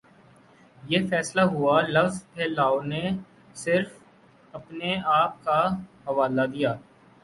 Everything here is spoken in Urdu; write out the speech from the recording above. یہ فیصلہ ہوا لفظ پھیلاؤ نے صرف اپنے آپ کا حوالہ دیا